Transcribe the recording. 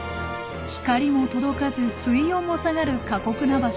光も届かず水温も下がる過酷な場所です。